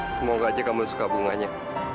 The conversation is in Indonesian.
semoga aja kamu suka bunganya